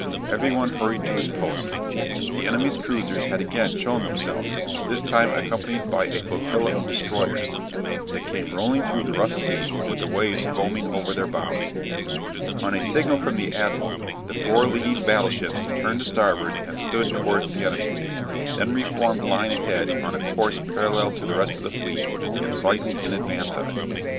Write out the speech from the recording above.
Every one hurried to his post. The enemy's cruisers had again shown themselves, this time accompanied by a flotilla of destroyers, that came rolling through the rough sea with the waves foaming over their bows. On a signal from the admiral the four leading battleships turned to starboard and stood towards the enemy, then re formed line ahead on a course parallel to the rest of the fleet, and slightly in advance of it.